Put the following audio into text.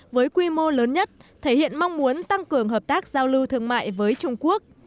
với quy mô lớn nhất thể hiện mong muốn tăng cường hợp tác giao lưu thương mại với trung quốc